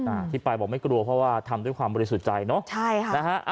อ่าที่ปลายบอกไม่กลัวเพราะว่าทำด้วยความบริสุจร์ใจเนอะ